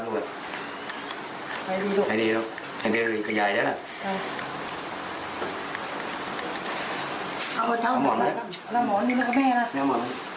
ขอบคุณครับครับผม